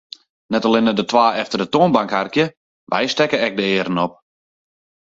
Net allinne de twa efter de toanbank harkje, wy stekke ek de earen op.